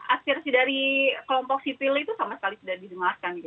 aspirasi dari kelompok sipil itu sama sekali sudah didengarkan gitu